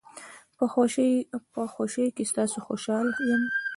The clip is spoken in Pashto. په خوشۍ کې ستاسو خوشحال یم.